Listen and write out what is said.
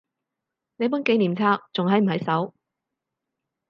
你本紀念冊仲喺唔喺手？